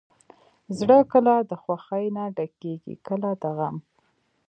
زړه کله د خوښۍ نه ډکېږي، کله د غم.